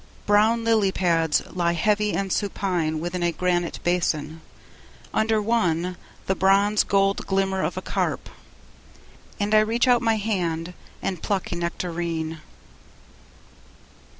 Brown lily pads lie heavy and supine Within a granite basin, under one The bronze gold glimmer of a carp; and I Reach out my hand and pluck a nectarine.